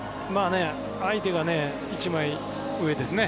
相手が一枚上ですね。